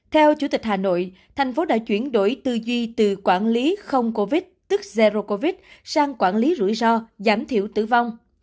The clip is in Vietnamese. theo chủ tịch hà nội thành phố đã chuyển đổi tư duy từ quản lý không covid tức zero covid sang quản lý rủi ro giảm thiểu tử vong